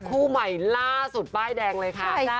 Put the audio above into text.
คู่ใหม่ล่าสุดป้ายแดงเลยค่ะ